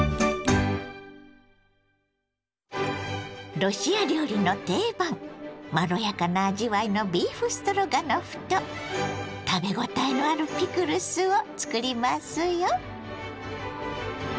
ロシア料理の定番まろやかな味わいのビーフストロガノフと食べ応えのあるピクルスを作りますよ。